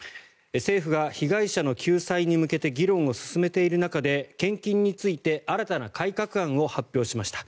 政府が被害者の救済に向けて議論を進めている中で献金について新たな改革案を発表しました。